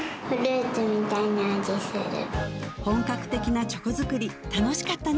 本格的なチョコ作り楽しかったね